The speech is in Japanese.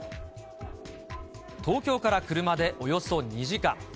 東京から車でおよそ２時間。